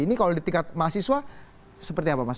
ini kalau di tingkat mahasiswa seperti apa mas